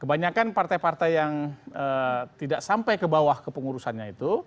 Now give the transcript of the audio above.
kebanyakan partai partai yang tidak sampai ke bawah kepengurusannya itu